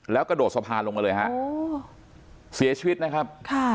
แล้วกระโดดสะพานลงมาเลยฮะเสียชีวิตนะครับค่ะ